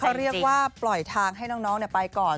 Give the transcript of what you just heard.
เขาเรียกว่าปล่อยทางให้น้องไปก่อน